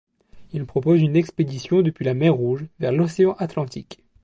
Il propose une expédition depuis la mer Rouge vers l'océan Atlantique.